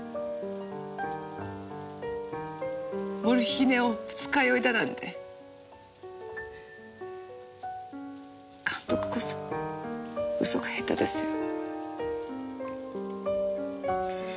モルヒネを二日酔いだなんて監督こそ嘘が下手ですよ。